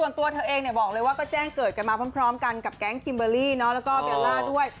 ตัวเธอเองบอกเลยว่าก็แจ้งเกิดกันมาพร้อมกันกับแก๊งคิมเบอร์รี่แล้วก็เบลล่าด้วย